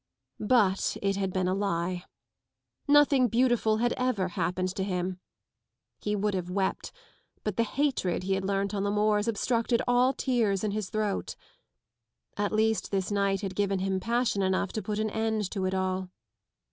But it had been a lie. Nothing beautiful had ever happened to him. He would have wept, hut the hatred be had learnt on the moors obstructed all tears in his throat. At least this night had given him passion enough to put an end to it all.